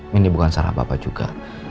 rini bukan salah papa juga